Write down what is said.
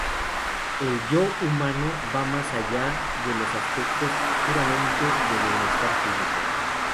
El "yo" humano, va más allá de los aspectos puramente de bienestar físico.